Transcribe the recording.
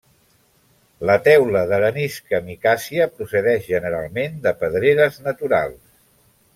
La teula d'arenisca micàcia procedeix generalment de pedreres naturals.